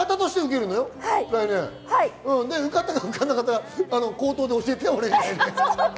受かったか、受からなかったかは口頭で教えて。